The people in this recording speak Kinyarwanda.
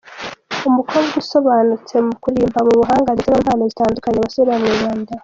Umukobwa usobanutse mu kurimba, mu buhanga ndetse no mu mpano zitandukanye abasore bamwibandaho.